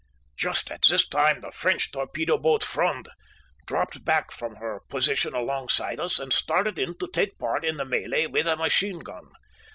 "Just at this time the French torpedo boat Fronde dropped back from her position alongside us and started in to take part in the mêlée with a machine gun.